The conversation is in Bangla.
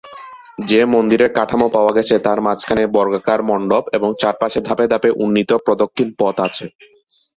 যে মন্দিরের কাঠামো পাওয়া গেছে তার মাঝখানে বর্গাকার মণ্ডপ এবং চারপাশে ধাপে ধাপে উন্নিত প্রদক্ষিণ পথ আছে।